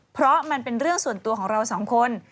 เพราะมันเป็นเรื่องส่วนตัวของเราสองคน